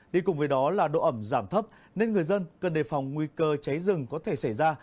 đi cùng với đó là độ ẩm giảm thấp nên người dân cần đề phòng nguy cơ cháy rừng có thể xảy ra